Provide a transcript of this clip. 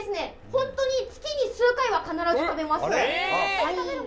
本当に月に数回は必ず食べます。